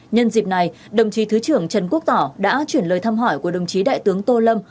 nhân dịp này đồng chí thứ trưởng trần quốc tỏ đã chuyển lời thăm hỏi của đồng chí đại tướng tô lâm